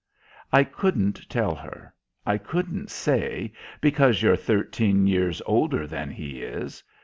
I couldn't tell her. I couldn't say, "Because you're thirteen ears older than he is."